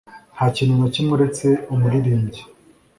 Ntakintu nakimwe uretse umuririmbyi